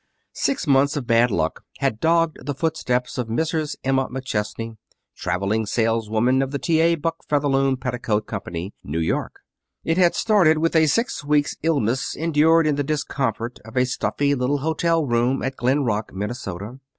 Six months of bad luck had dogged the footsteps of Mrs. Emma McChesney, traveling saleswoman for the T. A. Buck Featherloom Petticoat Company, New York. It had started with a six weeks' illness endured in the discomfort of a stuffy little hotel bedroom at Glen Rock, Minnesota.